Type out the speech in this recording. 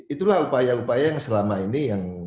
itulah upaya upaya yang selama ini yang